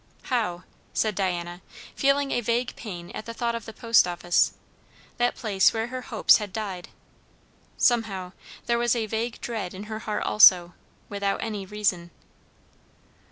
"How?" said Diana, feeling a vague pain at the thought of the post office; that place where her hopes had died. Somehow there was a vague dread in her heart also, without any reason.